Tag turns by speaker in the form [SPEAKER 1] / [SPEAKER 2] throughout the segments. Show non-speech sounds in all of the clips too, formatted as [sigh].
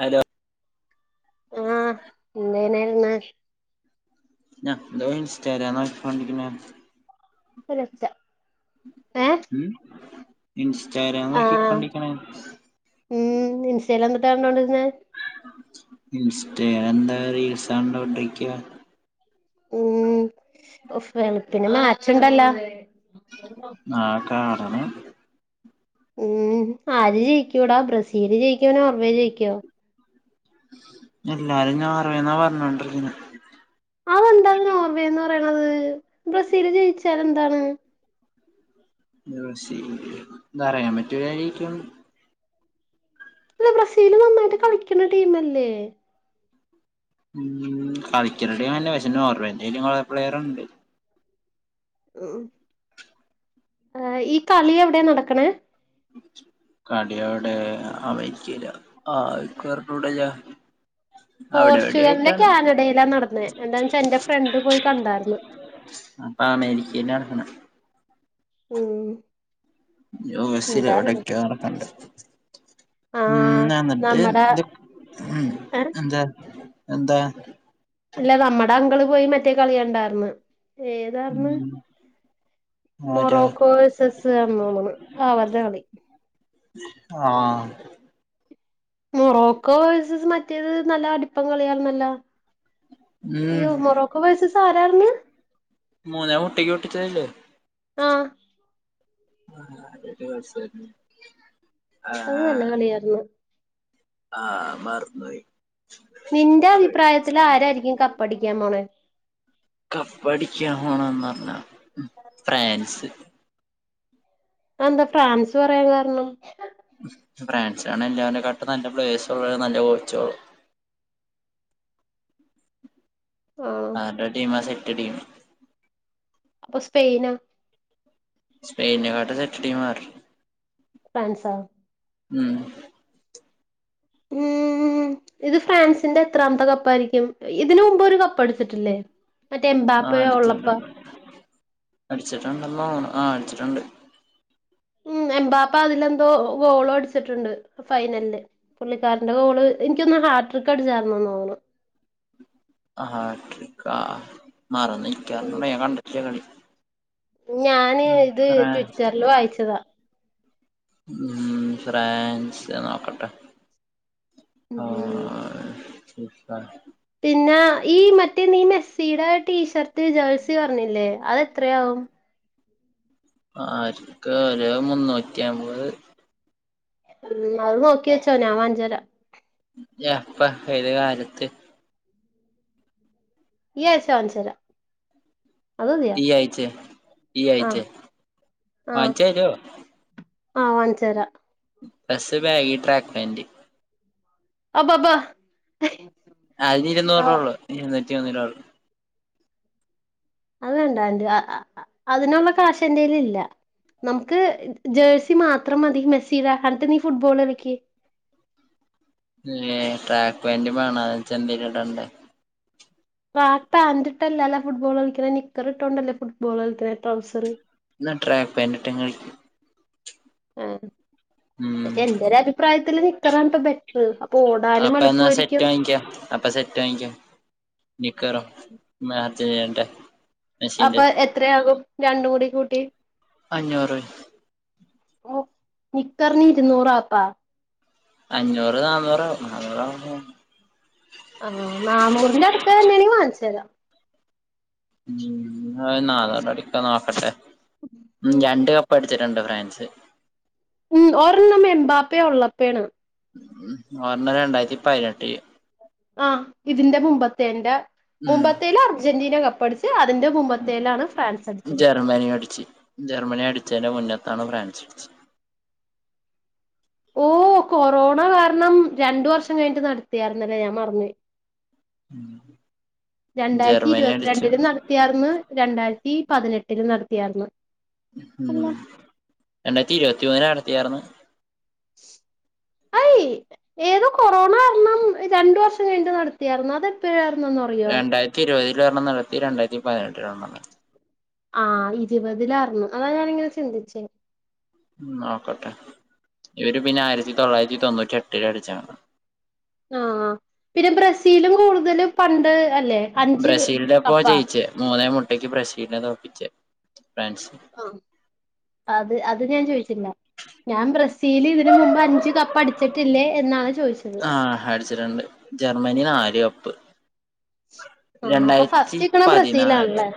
[SPEAKER 1] Hello
[SPEAKER 2] ആഹ് എന്തേനായിരുന്ന
[SPEAKER 1] ഞാൻോ ഇൻസ്റ്റ എന്ന ഫ്രണ്ടിക്ക
[SPEAKER 2] ഒരുച്ച ഏഹ്
[SPEAKER 1] ഉം ഇൻസ്റ്റാഗ്രാം
[SPEAKER 2] ആഹ്
[SPEAKER 1] നോക്കിക്കൊണ്ടി ഇരിക്കണേ
[SPEAKER 2] ഉം ഇൻസ്റ്റൽ എന്തുട്ടാണ് കണ്ടൊണ്ടിരുന്നത്
[SPEAKER 1] ഇൻസ്റ്റ ഞാ എന്താ റീൽസണ്ടോട്ടിക്ക.
[SPEAKER 2] ഉം [unintelligible] പിന്നെ മാച്ച്ണ്ടല്ലോ.
[SPEAKER 1] ആഹാ കാണണം
[SPEAKER 2] ഉം ആര് ജയിക്കൂടാ ബ്രസീല് ജയിക്കുവോ നോർവേൽ ജയിക്കോ.
[SPEAKER 1] എല്ലാരും ഞാറേന്നാ പറഞ്ഞോണ്ടിരിക്കുന്നെ.
[SPEAKER 2] അതെന്താണ് നോർവേന്ന് പറയണത് ബ്രസീല് ജയിച്ചാൽ എന്താണ്
[SPEAKER 1] [unintelligible] എന്താറയാ മറ്റേഴ കാരിക്കും.
[SPEAKER 2] അല്ല ബ്രസീല് നന്നായിട്ട് കളിക്ക്ണ ടീമ ല്ലെ
[SPEAKER 1] ഉ കളിക്കരുടെയും നല്ല പക്ഷേ നോർവന്റലും കുറെ പ്ലെയറുണ്ട്
[SPEAKER 2] ഉം ഈ കളി എവിടെ നടക്ക്ണേ.
[SPEAKER 1] കടിയവിടെ അവക്കില്ല ആര് ക്കറിഞ്ഞുട [unintelligible]
[SPEAKER 2] പോർച്ചുഗലിലെ കാനഡയിലാ നടന്നെ എന്താന്നച്ചാ ഇന്റെ ഫ്രണ്ട് പോയി കണ്ടായിര്ന്ന്.
[SPEAKER 1] ആമേരിക്കയിലാ നട്ക്ക്ണ്.
[SPEAKER 2] ഉം
[SPEAKER 1] യു എസ്സിൽ
[SPEAKER 2] എന്താ
[SPEAKER 1] എവിടക്കെയ നടക്കണ് ഉം
[SPEAKER 2] ആഹ്
[SPEAKER 1] ഞാ എന്നിട്ട്
[SPEAKER 2] നമ്മടെ
[SPEAKER 1] ഇ
[SPEAKER 2] ഏ
[SPEAKER 1] എന്താ എന്താ
[SPEAKER 2] ഇല്ല നമ്മടെ അങ്കള് പോയി മറ്റെ കളിയണ്ടാര്ന്ന് ഏതാര്ന്ന്.
[SPEAKER 1] ഉം ആരാ
[SPEAKER 2] മൊറോക്കോസസ്ന്ന് തോന്ന്ണ് ആ വര്ടെകളി.
[SPEAKER 1] ആഹ്
[SPEAKER 2] മൊറോക്കോ വസസ് മറ്റേത് നല്ല അടിപ്പം കളിയാര്ന്നല്ലോ.
[SPEAKER 1] ഉം
[SPEAKER 2] യ്യോ മൊറൊക്കെ വയസ സ ആരാര്ന്ന്.
[SPEAKER 1] മൂന്നേ മുട്ടിക്ക് ഒട്ടിച്ചതല്ലേ
[SPEAKER 2] ആഹ്
[SPEAKER 1] ഉം [unintelligible]
[SPEAKER 2] അത് നല്ല കളിയായിരുന്നു
[SPEAKER 1] ആഹ് മാറിപ്പോയി
[SPEAKER 2] നിന്റെ അഭിപ്രായത്തില് ആരായിരിക്കും കപ്പടിക്കാൻ പോണേ
[SPEAKER 1] കപ്പടിക്കാൻ പോണോന്നു പറഞ്ഞ ഫ്രാൻസ്
[SPEAKER 2] അത് എന്താ ഫ്രാൻസ് പറയാൻ കാരണം
[SPEAKER 1] ഫ്രാൻസാണ് എല്ലാവരേകാട്ടും നല്ല പ്ലയർസ് ഉള്ള നല്ല കോച്ചുകള്
[SPEAKER 2] ആണോ
[SPEAKER 1] അവരുടെ ടീം ആ സെറ്റ് ടീം
[SPEAKER 2] അപ്പൊ സ്പെയിനൊ
[SPEAKER 1] സ്പെയിനെ [unintelligible]
[SPEAKER 2] ഫ്രാൻസൊ
[SPEAKER 1] ഉം
[SPEAKER 2] ഉമ്മ്മ്മ്മ് ഇത് ഫ്രാൻസിന്റെ എത്രാമത്തെ കപ്പായിരിക്കും ഇതിന് മുമ്പ് ഒരു കപ്പ് അടിച്ചിട്ടില്ലേ മറ്റെ എമ്പാപ്പ ഉള്ളപ്പ
[SPEAKER 1] അടിച്ചിട്ടുണ്ടല്ലോ ആ അടിച്ചിട്ടുണ്ട്
[SPEAKER 2] ഉം എമ്പാപ്പ അതിലെന്തോ ഗോളോ അടിച്ചിട്ടുണ്ട് ഫൈനലില് പുള്ളിക്കാരൻന്റെ കോോള് എനിക്കൊന്ന് ഹാർ് ടിക്ക് അടിച്ചായിരുന്നന്നോന്നണ്
[SPEAKER 1] ഹാട്രിക്ക് ആ മറന്ന് ഇരിക്ക
[SPEAKER 2] ഉം
[SPEAKER 1] [unintelligible] ഞാൻ കണ്ടട്ടില്ല കളി
[SPEAKER 2] ഞാന്
[SPEAKER 1] ഉം
[SPEAKER 2] ഇത്
[SPEAKER 1] ഫ്രാ
[SPEAKER 2] ട്വിറ്ററിൽ വായിച്ചതാ
[SPEAKER 1] മ്മ് ഫ്രാൻസ് നോക്കട്ടെ ആ
[SPEAKER 2] ഉം
[SPEAKER 1] [unintelligible]
[SPEAKER 2] പിന്നെ ഈ മറ്റേ നി മെസ്സിയുടെ ടീഷർട്ട് ജേഴ്സി പറഞ്ഞില്ലേ അതെത്രയാവും
[SPEAKER 1] ആർക്ക് ഒരു മുന്നൂറ്റി അമ്പത്
[SPEAKER 2] ഉം അതുനോക്കിവച്ചോ ഞാൻ വാങ്ങിചോല
[SPEAKER 1] [unintelligible] പ്പ ഏത് കാലത്ത്
[SPEAKER 2] ഈ ആഴ്ച വാങ്ങിച്ചുതരാം
[SPEAKER 1] ഈ ആയിച്ച ഈ ആയിച്ച
[SPEAKER 2] ആഹ്
[SPEAKER 1] വാങ്ങിച്ചുതരുമോ
[SPEAKER 2] ആ വാങ്ങിച്ചുതരാം
[SPEAKER 1] ബസ് ബാഗി ട്രാക്ക് പൻറ്
[SPEAKER 2] [unintelligible]
[SPEAKER 1] അത് ഇരുന്നൂറ രൂപയുള്ളൂ ഇരുന്നൂറ്റി [unintelligible]
[SPEAKER 2] അത് വേണ്ടാണ്ട് അതിനുള്ള കാശ എന്റെേും ഇല്ല നമുക്ക് ജേഴ്സി മാത്രം മതി മെസ്സീടെ എന്നിട്ട് നീ ഫുട്ബോൾ കളിക്ക്
[SPEAKER 1] [unintelligible] ട്രാക്ക് പാൻ വേണ [unintelligible]
[SPEAKER 2] [unintelligible] ഫുട്ബോൾ കളിക്കണ നിക്കർ ഇട്ടോണ്ടല്ലേ ഫുട്ബോൾ കളിക്കണ ട്രൗസർ
[SPEAKER 1] എന്നാ ട്രാക്ക് പാന്റ് [unintelligible]
[SPEAKER 2] ആഹ
[SPEAKER 1] ഉം
[SPEAKER 2] പക്ഷെ എന്റെ ഒരു അഭിപ്രായത്തില്ൽ നിിക്കറാണ്ിപ്പ ബെറ്ററ് അപ്പൊ ഓടാനും എളുപ്പമായിരിക്കും
[SPEAKER 1] അപ്പൊ സെറ്റ് വാങ്ങിക്കും നിക്കറോ [unintelligible]
[SPEAKER 2] അപ്പൊ എത്രയാകും രണ്ടു കൂടി കൂട്ടി
[SPEAKER 1] അഞ്ഞൂറ്
[SPEAKER 2] ഓ നിക്കറിന് ഇരുന്നൂറാപ്പാ
[SPEAKER 1] അഞ്ഞൂറ് നാന്നൂറ് ആകും നാന്നൂറ
[SPEAKER 2] ആഹ നാന്നൂറിന്റെ അടുത്ത് തന്നെയാണങ്കി വങ്ങിച്ച് തരാം ഉം
[SPEAKER 1] [unintelligible] പഠിച്ചിട്ടുണ്ടോ ഫ്രാൻസ്
[SPEAKER 2] ഉ ഓരെണ്ണം എമ്പാപ്പയ ഉള്ളപ്പയണ്
[SPEAKER 1] ഉ [unintelligible] രണ്ടായിരത്തി പതിനെട്ട്
[SPEAKER 2] ആ് ഇതിന്റെ മുമ്പത്തെന്റെ
[SPEAKER 1] ഉം
[SPEAKER 2] മുമ്പത്തൽ അർജന്റീന കപ്പട അതിന്റെ മുമ്പത്തേലാണ് ഫ്രാൻസ് അടിച്ചത്.
[SPEAKER 1] [unintelligible] അടിച്ച്. ജർമ്മനി അടിച്ചതിന്റെ മുന്നത്താണ് ഫ്രാൻസ് അടിച്ച്.
[SPEAKER 2] ഓ കൊറോണ കാരണം രണ്ട് വർഷം കഴിഞ്ഞിട്ട് നടത്തിയായിരുന്നല്ലേ, ഞാൻ മറന്നുപോയി. രണ്ടായിരത്തി
[SPEAKER 1] ജർമ്മനി അടിച്ചു
[SPEAKER 2] ഇരുപത്തിരണ്ടില് നട ത്തിയാർന്ന്. രണ്ടായിരത്തി പതിനെട്ടില് നടത്തിയാർന്ന്. അല്ല
[SPEAKER 1] ഉം. രണ്ടായിരത്തി ഇരുപത്തിമൂന്നില് നടത്തിയാർന്ന്.
[SPEAKER 2] ഏത് കൊറോണ കാർണം രണ്ട് വർഷം കഴിഞ്ഞിട്ടു നടത്തിയാർന്നു. അതെപ്പോഴാ
[SPEAKER 1] രണ്ടായിരത്തി ഇരുപതില് ഒരണം നടത്തി. രണ്ടായിരത്തി പതിനെട്ടില് [unintelligible]
[SPEAKER 2] ആഹ് ഇരുപതിലാർന്നു. അതാ ഞാനിങ്ങനെ ചിന്തിച്ചേ.
[SPEAKER 1] ഉ നോക്കട്ടെ. ഇവര് പിന്നെ ആയിരത്തി തൊള്ളായിരത്തി തൊണ്ണൂറ്റി എട്ടില് അടിചാണ്.
[SPEAKER 2] ആഹ പിന്നെ ബ്രസീലും കൂടുതല് പണ്ട്, അല്ലേ അഞ്ച്
[SPEAKER 1] ബ്രസീലിന്റെപ്പോ
[SPEAKER 2] കപ്പാ
[SPEAKER 1] ജയിച്ചേ. മൂന്നേ മുട്ടയ്ക്ക് ബ്രസീലിനെ തോപ്പിച്ചേ ഫ്രാൻസ്.
[SPEAKER 2] ആ അത് അത് ഞാൻ ചോയിച്ചില്ല. ഞാൻ ബ്രസ് സീല് ഇതിന് മുമ്പ് അഞ്ച് കപ്പ് അടിച്ചിട്ടില്ലേ എന്നാണ് ചോദിച്ചത്.
[SPEAKER 1] ആഹ അടിച്ചിട്ടുണ്ട്. ജർമ്മനി നാല് കപ്പ്.
[SPEAKER 2] ആഹ് അപ്പൊ
[SPEAKER 1] രണ്ടായിരത്തി
[SPEAKER 2] ഫസ്റ്റ് നിക്കണ
[SPEAKER 1] പതിനാല്.
[SPEAKER 2] ബ്രസീലാണല്ലേ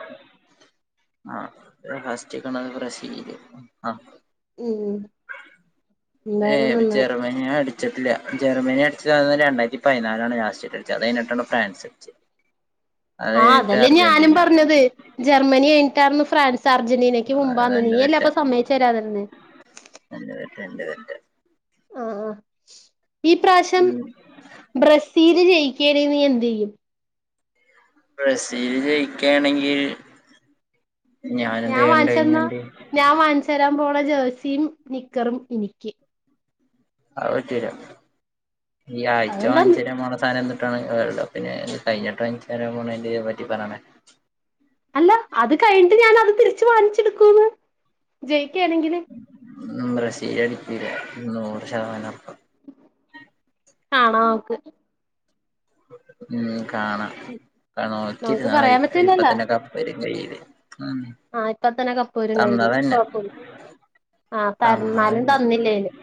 [SPEAKER 1] ആ ഫസ്റ്റ് നിക്കണത് ബ്രസീല്. ആ
[SPEAKER 2] ഉം.
[SPEAKER 1] ഏ
[SPEAKER 2] എന്തായാലും നന്നായി
[SPEAKER 1] ജർമനിനെ അടി അടിച്ചിട്ടില്ല. ജർമനി അടിച്ചു അന്ന ത് രണ്ടായിരത്തി പതിനാലാണ് ലാസ്റ്റ് [unintelligible] അടിച്ചത്. അത് കഴിഞ്ഞട്ടാണ് ഫ്രാൻസ്. അടിച്ചത് അത്
[SPEAKER 2] ആ
[SPEAKER 1] കഴിഞ്ഞിട്ട്
[SPEAKER 2] അതല്ലേ ഞാനും
[SPEAKER 1] അർജന്റീന
[SPEAKER 2] പറഞ്ഞത്. ജർമ്മനി കഴിഞ്ഞട്ടായിരുന്നു ഫ്രാൻസ്, അർജന്റീനയ്ക്ക്
[SPEAKER 1] അത്
[SPEAKER 2] മുമ്പാന്ന്.
[SPEAKER 1] എന്റെ
[SPEAKER 2] നീയല്ലേ
[SPEAKER 1] തെറ്റാ
[SPEAKER 2] അപ്പ സമ്മയച്ചുതരാതിരുന്നെ.
[SPEAKER 1] [unintelligible]
[SPEAKER 2] ആ ആ ഈ പ്രാവശ്യം
[SPEAKER 1] ഉം
[SPEAKER 2] ബ്രസീല് ജയിക്കെണ് നീ എന്ത് ചെയ്യും?
[SPEAKER 1] ബ്രസീല് ജയിക്കേണെങ്കിൽ,
[SPEAKER 2] ഞാൻ വാങ്ങിച്ചന്ന,
[SPEAKER 1] കഴിഞ്ഞാണ്ട്
[SPEAKER 2] ഞാൻ വാങ്ങിച്ച തരാൻ പോണ ജേഴ്സിയും, നിക്കറും എനിക്ക്.
[SPEAKER 1] ഓക്കേ. ഈ ആഴ്ച
[SPEAKER 2] അതെന്താ
[SPEAKER 1] വങ്ങിച്ചരാപോണ സാധനം എന്ത് ഇത്തവണ വേൾഡ് കപ്പിന് കഴിഞ്ഞട്ട്, വാങ്ങിച്ചരാൻ പോണേനെ പറ്റി പറയണേ.
[SPEAKER 2] അല്ല അത് കഴിഞ്ഞിട്ട് ഞാനത് തിരിച്ച് വാങ്ങിച്ചെടുക്കൂന്ന്. ജയിക്കെണേങ്കില്.
[SPEAKER 1] ബ്രസീല് അടിക്കുല്ല നൂറ് ശതമാനം ഒറപ്പാ.
[SPEAKER 2] കാണാം നമുക്ക്.
[SPEAKER 1] ഉം കാണാം.
[SPEAKER 2] നമുക്ക്
[SPEAKER 1] നോക്കിരുന്നാതി,
[SPEAKER 2] പറയാൻ പറ്റില്ലല്ലോ
[SPEAKER 1] ഇപ്പത്തന്നെ ക്കപ്പ് [unintelligible] ഉം.
[SPEAKER 2] ആഹ് ഇപ്പത്തന്നെ കപ്പ് വരും കയ്യില്,
[SPEAKER 1] തന്നതന്നെ
[SPEAKER 2] കുഴപ്പുല. ആഹ് തരന്നാലും
[SPEAKER 1] തന്നതന്നെ
[SPEAKER 2] തന്നില്ലേലും.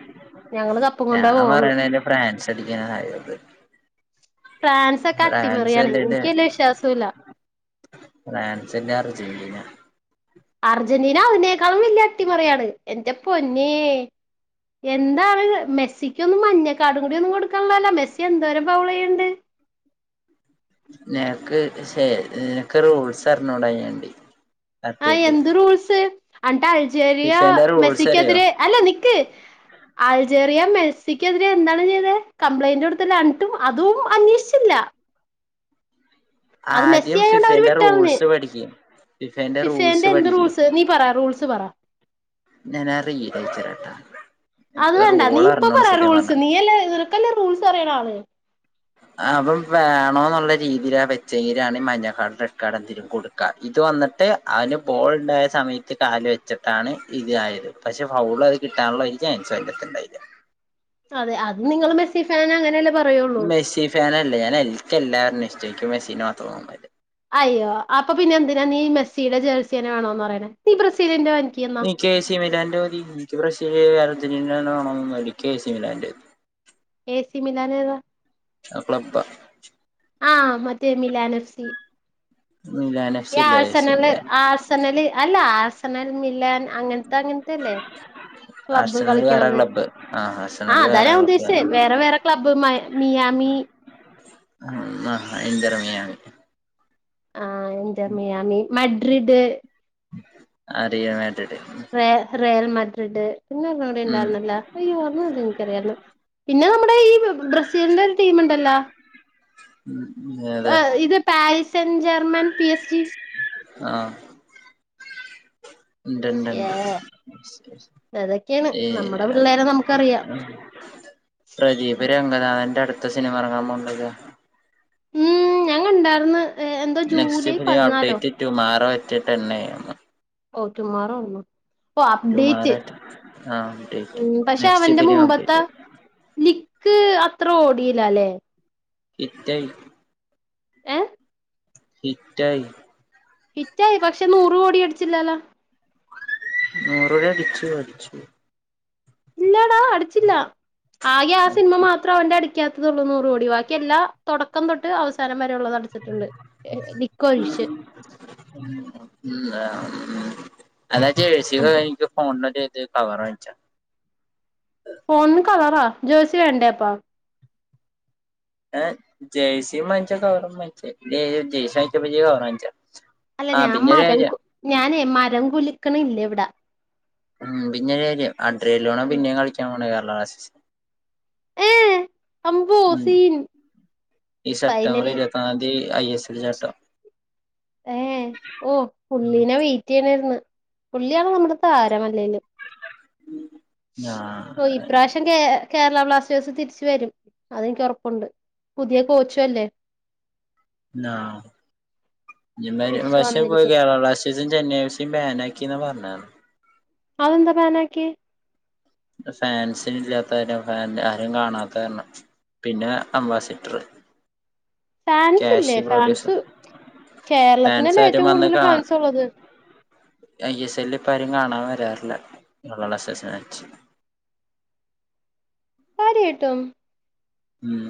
[SPEAKER 2] ഞങ്ങള് കപ്പും
[SPEAKER 1] ഞാൻ
[SPEAKER 2] കൊണ്ടേ പോവുള്ളൂ
[SPEAKER 1] പറയേണത് ഫ്രാൻസ് അടിക്കാണ കാര്യം ത്.
[SPEAKER 2] ഫ്രാൻസ് ഒക്കെ അട്ടിമറിയാണ്.
[SPEAKER 1] അല്ലേല്
[SPEAKER 2] എനിക്കവല്യ വിശ്വാസൂല്ല.
[SPEAKER 1] ഫ്രാൻസ് അല്ലെ അർജന്റീന.
[SPEAKER 2] അർജന്റീന അതിനേക്കാളും വല്യ അട്ടിമറിയാണ്. എന്റെ പൊന്നേ. എന്താണ് മെസ്സിക്കൊന്നും മഞ്ഞ കാർഡും കൂടിയൊന്നും കൊടുക്കള്ളല്ലോ. മെസ്സി എന്തോരം ഫൗൾ ചെയ്യ്ണ്ട്.
[SPEAKER 1] നിനക്ക് ശേ നിനക്ക് റൂൾസ് അറിഞ്ഞൂടാ അയിന് വേണ്ടി.
[SPEAKER 2] ആ എന്ത് റൂൾസ്. അണ്ട്ട് അൾജേരിയ
[SPEAKER 1] ഫിഫേന്റെ റൂൾസ് അറിയോ
[SPEAKER 2] മെസ്സിക്കെതിരെ, അല്ല നിക്ക്. അൾജേറിയ മെൽസിക്കെതിരെ എന്താണ് ചെയ്തേ, കംപ്ലൈന്റ് കൊടുത്തല്ല അണ്‌ട്ടും അതും അന്വേഷിച്ചില്ല. അത് മെസ്സി
[SPEAKER 1] ആദ്യം
[SPEAKER 2] ആയോണ്ട് അവര്
[SPEAKER 1] ഫിഫേന്റെ
[SPEAKER 2] വിട്ട് കളഞ്ഞ്.
[SPEAKER 1] റൂൾസ് പഠിക്കും റൂൾസ്
[SPEAKER 2] ഫിഫേന്റെ എന്ത്
[SPEAKER 1] പഠിക്കും
[SPEAKER 2] റൂൾസ്, നീ പറാ റൂൾസ് പറ.
[SPEAKER 1] ഞാൻ ആ റീഡ് അയച്ചരാട്ടാ
[SPEAKER 2] അത്
[SPEAKER 1] എനിക്ക്
[SPEAKER 2] വേണ്ട, നീ
[SPEAKER 1] റോൾ
[SPEAKER 2] ഇപ്പൊ പറ
[SPEAKER 1] അറിഞ്ഞൂടാ സത്യം
[SPEAKER 2] റൂൾസ്
[SPEAKER 1] പറഞ്ഞാ
[SPEAKER 2] നീയല്ലേ [unintelligible] എല്ലാ റൂൾസും അറിണാള്
[SPEAKER 1] ആ.. അപ്പം വേണോന്നുള്ള രീതിയിലാ വെച്ചെങ്കിലാണ് ഈ മഞ്ഞക്കാടൊ, റെഡാടൊ എന്തെങ്കിലും കൊടുകൊള്ളു. ഇത് വന്ന്ട്ട്, അല് ബോൾ ണ്ടായ സമയത്ത് കാല് വെച്ച്ട്ടാണ് ഇത്‌ ആയത് പക്ഷെ, ഫൗള് അത് കിട്ടാനുള്ള ഒരു ചാൻസും അതിന്റെകത്തിണ്ടായില്ല.
[SPEAKER 2] അതെ, അത് നിങ്ങൾ മെസ്സി ഫാന് അങ്ങനെ
[SPEAKER 1] മെസ്സി ഫേനല്ല ഞാന്, എൽ, ൻക്കെ ഏല്ലാവര്നേം ഇഷ്ടാ, ൻക് മെസ്സിനെ മാത്രോന്നൊല്ല
[SPEAKER 2] അയ്യോ..., അപ്പൊ പിന്നെ എന്തിനാ നീ മെസ്സിയുടെ ജെയ്‌സിയെന്നെ വേണോന്ന് പറയണേ..? നീ ബ്രസീലിന്റെ വാങ്ങി
[SPEAKER 1] എനിക്ക് എ സിമിലാൻന്റെ മതി, എനിക്ക് ബ്രസീൽ അർജന്റീനന്നെ വേണന്നുല്ല. എന്ക് എ സിമിലാന്റെ
[SPEAKER 2] എ സി മിലാനേതാ?
[SPEAKER 1] ആ ക്ലബ്ബാ
[SPEAKER 2] ആഹ്, മറ്റേ മിലാൻ എഫ് സി.
[SPEAKER 1] മിലാനെ
[SPEAKER 2] ഈ ആഴ്സനല്, ആഴ്സനല് അല്ല, ആഴ്സനൽ മിലാൻ അങ്ങനത്തെ അങ്ങനത്തെല്ലേ.? ക്ലബ്ബ്
[SPEAKER 1] ആർസണൽ വേറെ
[SPEAKER 2] കളിക്കണത്.
[SPEAKER 1] ക്ലബ്ബ് ആ ആർസണൽ
[SPEAKER 2] ആഹ്, അതാ
[SPEAKER 1] വേറെ
[SPEAKER 2] ഞാൻ
[SPEAKER 1] ക്ലബ്ബ്
[SPEAKER 2] ഉദ്ദേശിചച്ചേ, വേറെ വേറെ ക്ലബ് മയ്, മിയാമി
[SPEAKER 1] ആഹ്, ആഹ് എന്റെറ് മിയാമി
[SPEAKER 2] ആഹ്, എന്റർ മിയാമി, മഡ്രിഡ്
[SPEAKER 1] അർഡിയോ മെഡ്രിഡ്
[SPEAKER 2] വേ.., റിയൽ മഡ്രിഡ്. പിന്നെ ഒന്നുകൂടെ
[SPEAKER 1] ഉം
[SPEAKER 2] ഉണ്ടായിരുന്നല്ലോ? അയ്യോ.. ! അതെന്ക് അറിയായിരിന്ന്. പിന്നെ, നമ്മുടെ ഈ ബ്രസീലിന്റെ ഒരു ടീം ഉണ്ടല്ലോ?
[SPEAKER 1] അതെ
[SPEAKER 2] അഹ്, ഇത് പായ്സെൻ ജർമൻ
[SPEAKER 1] ആഹ് [unintelligible] ണ്ട്, ണ്ട്, ണ്ട്
[SPEAKER 2] അതൊക്കേണ്. നമ്മടെ പിള്ളേരെ നമുക്കറിയാം.
[SPEAKER 1] പ്രദീപ് രംഗനാഥന്റെ അടുത്ത സിനിമ ഇറങ്ങാൻ പോവുണ്ടല്ലോ. !
[SPEAKER 2] ഉം, ഞാൻ കണ്ടായിരിന്ന്. എന്താ ജൂലൈ പതിനാലോ?
[SPEAKER 1] Tomorrow at ten A യെമ്മ്.
[SPEAKER 2] ഓഹ്! റ്റുമാറോ ആയിരുന്നോ?? ഓഹ് അപ്ഡേറ്റ്.
[SPEAKER 1] ടുമാറോ അറ്റ് ആ അപ്ഡേറ്റ്
[SPEAKER 2] ഉം, പക്ഷെ
[SPEAKER 1] നെക്സ്റ്റ്
[SPEAKER 2] അവന്റെ
[SPEAKER 1] ഫിലിം
[SPEAKER 2] മുമ്പത്തെ
[SPEAKER 1] അപ്ഡേറ്റ്
[SPEAKER 2] ലിക്ക് അത്ര ഓടീലാ ല്ലേ?
[SPEAKER 1] ഹിറ്റായി
[SPEAKER 2] ഏ
[SPEAKER 1] ഹിറ്റായി
[SPEAKER 2] ഹിറ്റായി പക്ഷെ, നൂറ് കോടി അടിച്ചില്ലല്ലോ?
[SPEAKER 1] നൂറോടി അടിച്ചു, അടിച്ചു.
[SPEAKER 2] ഇല്ലാടാ അടിച്ചില്ല. ആകെ ആ സിനിമ മാ
[SPEAKER 1] അടിച്ചു
[SPEAKER 2] മാത്ര വന്റെ അടിക്കാത്തതൊള്ളൂ നൂറ് കോടി. ബാക്കി എല്ലാം തൊടക്കം തൊട്ട് അവസാനം വരെ ഉള്ളതാ [unintelligible] [unintelligible] ണ്ട് ലിക്കൊഴിച്ച്
[SPEAKER 1] ഉം. ഉം, ആഹ്, ഉം അതാ ജെയ്‌സിക്കെ
[SPEAKER 2] എന്നിട്ട്
[SPEAKER 1] കഴിഞ് [unintelligible] ഫോൺ [unintelligible] കവർ വാങ്ങിച്ചാ?
[SPEAKER 2] ഫോണിനു കവറോ? ജേയ്സി വേണ്ടേപ്പേം?
[SPEAKER 1] ഏഹ്..? ജെയ്‌സീം മാങ്ങിച്ചോ, കവറും മാങ്ങിച്ചോ. ! ജയ്സി വാങ്ങിച്ചപ്പോ ഇയ്യ് കവറും വാങ്ങിച്ചോ?
[SPEAKER 2] അല്ല ഞാൻ മരം കു, ഞാനേ മരം കുലുക്കണില്ലവിടെ.
[SPEAKER 1] ഉം പിന്നെ ഒര് കാര്യം, അഡ്രെലോണ പിന്നേും കളിക്കാൻ പോണേ, കേരള ബ്ലാസ്റ്റേഴ്സിൽ.
[SPEAKER 2] ഏഹ്! അബോ!
[SPEAKER 1] ഉം
[SPEAKER 2] സീൻ.
[SPEAKER 1] ഈ സെപ്റ്റംബർ
[SPEAKER 2] ഫൈനലി
[SPEAKER 1] ഇരുപത്തിന്നാലാം തി ഐ എസ് എലിൽ [unintelligible]
[SPEAKER 2] ഏഹ്.. ! ഓഹ്.. ! പുള്ളീനെ വെയിറ്റ് ചെയ്യണെരിന്ന്. പുള്ളി ആള് നമ്മടെ താരമല്ലേല്ലും. !
[SPEAKER 1] ഞാ
[SPEAKER 2] ഓ., ഇപ്രാവശ്യം കേ, കേരള ബ്ലാസ്റ്റേഴ്സ് തിരിച്ച വരും, അതെനിക്ക് ഉറപ്പുണ്ട്. പുതിയ കോച്ചുഅല്ലേ?
[SPEAKER 1] [unintelligible] [unintelligible] ചെന്നൈ
[SPEAKER 2] തിരിച്ചു വന്നിരിക്കും
[SPEAKER 1] [unintelligible] ബാനക്കി ന്നാ പറഞ്ഞെ. !
[SPEAKER 2] അതെന്താ ബാനാക്കി?
[SPEAKER 1] ഫാൻസ് ഇല്ലാത്തകാരണം, ഫാന്റ് ആരും കാണാത്തകാരണം. പിന്നെ അംബാസിറ്റർ
[SPEAKER 2] ഫാൻസ് ഇല്ലേ
[SPEAKER 1] ക്യാഷി പ്രൊഡ്യൂസർ.
[SPEAKER 2] ഫാൻസ്
[SPEAKER 1] ഫാൻസ്
[SPEAKER 2] കേരളത്തിനല്ലേ
[SPEAKER 1] ആരും
[SPEAKER 2] ഏറ്റവും
[SPEAKER 1] വന്ന്
[SPEAKER 2] കൂടുതൽ
[SPEAKER 1] കാണ
[SPEAKER 2] ഫാൻസ് ഉള്ളത്
[SPEAKER 1] ഐ എസെല്ല് ഇപ്പ ആരും കാണാൻ വരാറില്ലാ [unintelligible]
[SPEAKER 2] കാര്യായ്ട്ടും
[SPEAKER 1] ഉം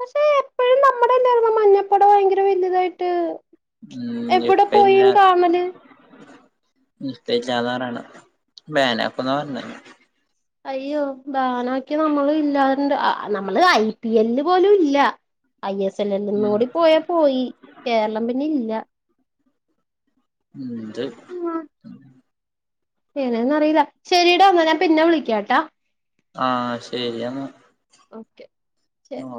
[SPEAKER 2] പക്ഷെ എപ്പഴും നമ്മ്ടെല്ലായ്ര്ന്നാേ മഞ്ഞപ്പട ഭയെങ്കെര വറല്തായിട്ട് എവിടെ പോയിം കാണല്
[SPEAKER 1] ഉം ബേചാതാറാണ്ട [unintelligible] പർഞ്ഞേ
[SPEAKER 2] അയ്യോ ബാനാക്ക്യാ നമ്മള് ഇല്ലാണ്ട് അ അ നമ്മള് ഐ പി എല്ല് പോലും ഇല്ലാ ഐ എസ്
[SPEAKER 1] ഉം
[SPEAKER 2] എല്ലെല്ല്ന്നൂടി പോയാ പോയി കേരളം പിന്നെ ഇല്ല
[SPEAKER 1] ഉത്
[SPEAKER 2] ഉം ഏനന്ന്റിയില്ല ശരിട വന്നാ ഞാൻ പിന്നെ വിളിക്കാട്ടാ
[SPEAKER 1] ആഹ ശരിയ
[SPEAKER 2] ഓക്കെ ശരി
[SPEAKER 1] ആ